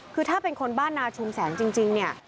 คือถ้าเป็นคนบ้านนาชุมแสงจริงเนี่ย